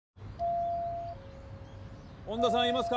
恩田さんいますか？